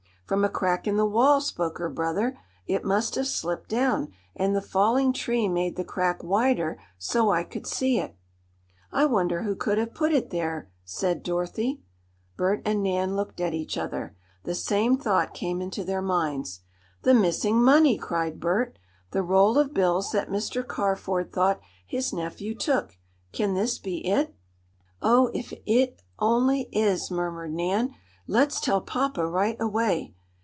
"From a crack in the wall," spoke her brother. "It must have slipped down, and the falling tree made the crack wider, so I could see it." "I wonder who could have put it there?" said Dorothy. Bert and Nan looked at each other. The same thought came into their minds. "The missing money!" cried Bert, "The roll of bills that Mr. Carford thought his nephew took! Can this be it?" "Oh, if it only is!" murmured Nan. "Let's tell papa right away!"